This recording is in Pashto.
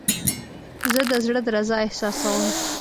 زه د زړه درزا احساسوم.